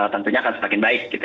tentunya akan semakin baik